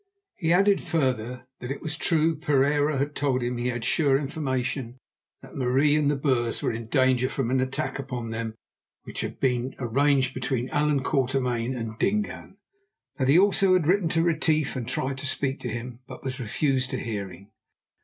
He added further that it was true Pereira had told him he had sure information that Marie and the Boers were in danger from an attack upon them which had been arranged between Allan Quatermain and Dingaan; that he also had written to Retief and tried to speak to him but was refused a hearing.